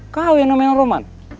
kau yang namanya roman